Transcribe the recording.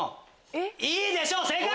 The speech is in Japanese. いいでしょう正解！